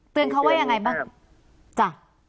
เตือนเขาว่ายังไงบ้าง